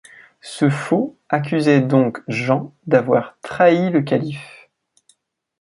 Ce faux accusait donc Jean d'avoir trahi le Calife.